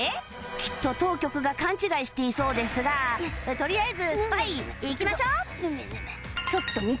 きっと当局が勘違いしていそうですがとりあえずスパイ行きましょう